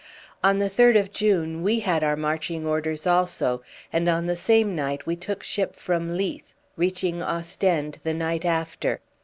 On the third of June we had our marching orders also, and on the same night we took ship from Leith, reaching Ostend the night after.